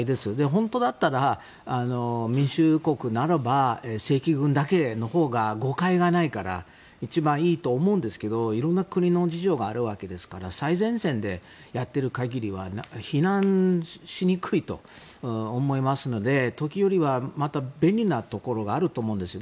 本当だったら民主国ならば正規軍だけのほうが誤解がないから一番いいと思うんですけどいろんな国の事情があるわけですから最前線でやっている限りは避難しにくいと思いますので時折、便利なところがあると思うんです。